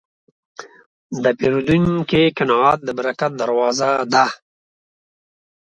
د پیرودونکي قناعت د برکت دروازه ده.